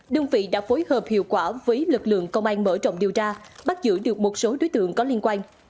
đơn vị đã phối hợp hiệu quả với lực lượng công an mở rộng điều tra bắt giữ được một số đối tượng có liên quan